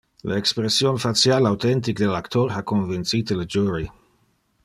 Le expression facial authentic del actor ha convincite le jury.